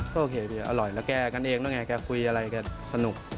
ก็โอเคอร่อยแล้วแกกันเองแล้วไงแกคุยอะไรแกสนุก